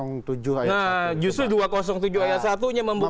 nah justru dua ratus tujuh ayat satu nya membuktikan